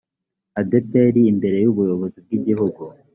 adepr imbere y’ubuyobozi bw’igihugu